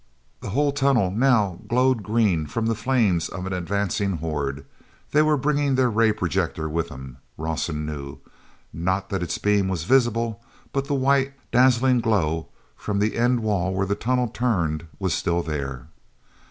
The whole tunnel now glowed green from the flames of an advancing horde. They were bringing their ray projector with them, Rawson knew, not that its beam was visible, but the white, dazzling glow from the end wall where the tunnel turned was still there.